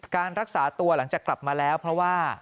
การรักษาตัวหลังจากกลับมาแล้วเพราะว่า